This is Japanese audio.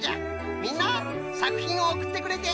みんなさくひんをおくってくれてありがとうのう！